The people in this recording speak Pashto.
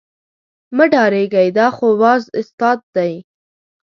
مه ډارېږئ دا خو باز استاد دی.